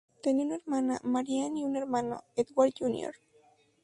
Tenía una hermana, Marian, y un hermano, Edward Jr.